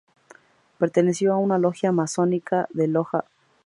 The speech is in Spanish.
Perteneció a una logia masónica de Loja que se llamaba El Porvenir.